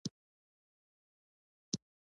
شیدې د زیږون وروسته دوا دي